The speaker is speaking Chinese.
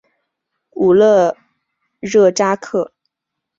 武勒热扎克。